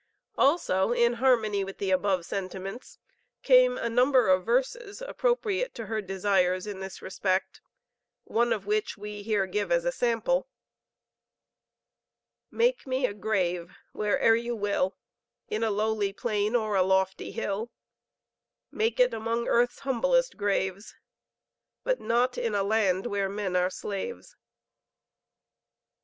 Also, in harmony with the above sentiments, came a number of verses appropriate to her desires in this respect, one of which we here give as a sample: "Make me a grave where'er you will, In a lowly plain, or a lofty hill, Make it among earth's humblest graves, But not in a land where men are slaves."